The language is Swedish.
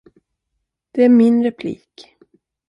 Det är min replik.